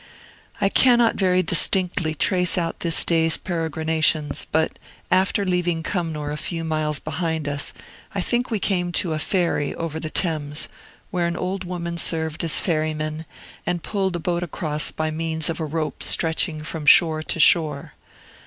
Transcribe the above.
I cannot very distinctly trace out this day's peregrinations; but, after leaving Cumnor a few miles behind us, I think we came to a ferry over the Thames, where an old woman served as ferryman, and pulled a boat across by means of a rope stretching from shore to shore.